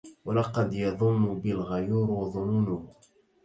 ولقد يظن بي الغيور ظنونه